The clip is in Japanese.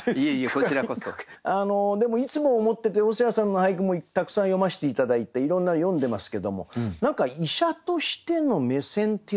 でもいつも思ってて細谷さんの俳句もたくさん読ませて頂いていろんなの読んでますけども何か医者としての目線っていうのかな。